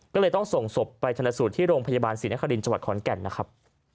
ก็เลยต้องส่งศพไปชนะสูตรที่โรงพยาบาลศรีนครินทร์จังหวัดขอนแก่นนะครับ